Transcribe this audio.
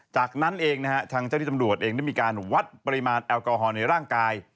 จากนั้นเองนะฮะทางเจ้าที่ตำรวจเองได้มีการวัดปริมาณแอลกอฮอลในร่างกาย